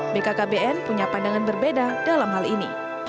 bkkbn punya pandangan berbeda dalam hal ini